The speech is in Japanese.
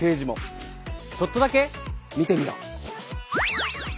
ちょっとだけ見てみよう。